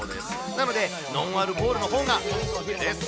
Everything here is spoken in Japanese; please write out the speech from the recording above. なので、ノンアルコールのほうがお勧めです。